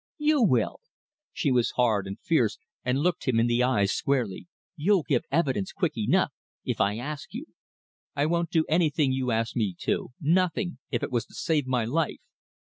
"You will." She was hard and fierce, and looked him in the eyes squarely. "You'll give evidence quick enough, if I ask you." "I wouldn't do anything you asked me to nothing, if it was to save my life."